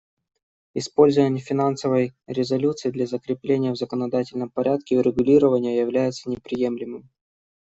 Использование финансовой резолюции для закрепления в законодательном порядке урегулирования является неприемлемым.